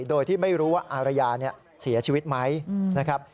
โดยที่ไม่รู้ว่าอารยาเสียชีวิตไหมนะครับ